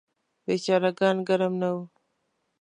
بیچاره ګان ګرم نه وو.